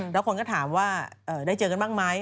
แล้วคนก็ถามว่าได้เจอกันบ้างไหม